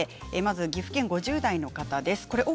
岐阜県の方、５０代の方です。